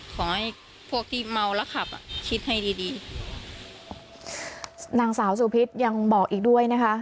ขอให้พวกที่เมาแล้วขับอ่ะคิดให้ดีดีนางสาวสุพิษยังบอกอีกด้วยนะคะ